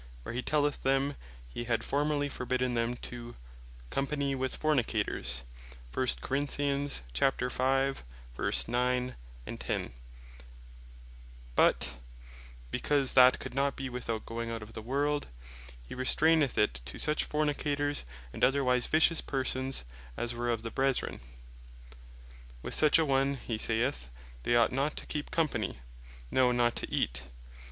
where he telleth them, he had formerly forbidden them to "company with Fornicators;" but (because that could not bee without going out of the world,) he restraineth it to such Fornicators, and otherwise vicious persons, as were of the brethren; "with such a one" (he saith) they ought not to keep company, "no, not to eat."